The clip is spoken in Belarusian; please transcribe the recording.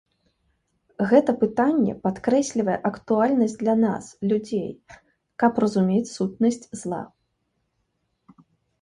Гэта пытанне падкрэслівае актуальнасць для нас, людзей, каб разумець сутнасць зла.